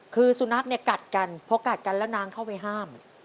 คือสุนัขเนี่ยกัดกันพอกัดกันแล้วนางเข้าไปห้าม